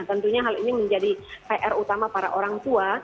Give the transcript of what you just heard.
tentunya hal ini menjadi pr utama para orang tua